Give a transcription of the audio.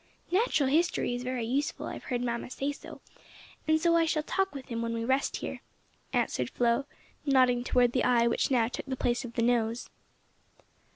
Natural history is very useful; I've heard mamma say so, and I shall talk with him while we rest here," answered Flo, nodding toward the eye which now took the place of the nose.